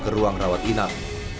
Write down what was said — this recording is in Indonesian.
ke ruang rawat inap